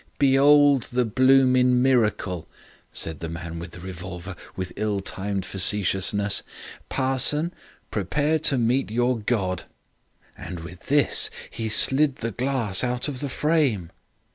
"'Be'old the bloomin' miracle,' said the man with the revolver, with ill timed facetiousness. 'Parson, prepare to meet your God.' And with this he slid the glass out of the frame.